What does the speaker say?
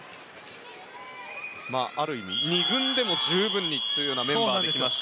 ある意味、２軍でも十分というメンバーで来ました。